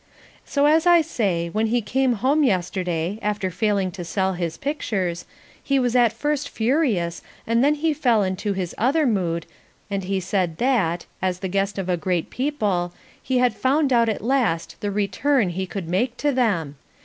So, as I say, when he came home yesterday, after failing to sell his pictures, he was at first furious and then he fell into his other mood and he said that, as the guest of a great people, he had found out at last the return he could make to them.